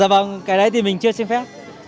à dạ vâng cái đấy thì mình chưa xin phép